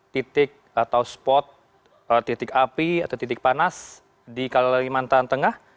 titik atau spot titik api atau titik panas di kalimantan tengah